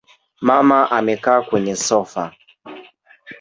Mama amekaa kwenye sofa